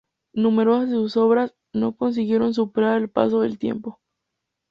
Numerosas de sus obras no consiguieron superar el paso del tiempo.